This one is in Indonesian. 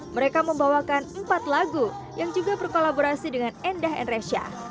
mereka membawakan empat lagu yang juga berkolaborasi dengan endah enresha